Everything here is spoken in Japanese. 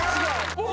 お！